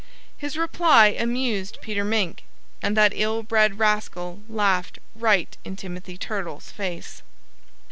His reply amused Peter Mink. And that ill bred rascal laughed right in Timothy Turtle's face.